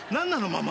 ママ。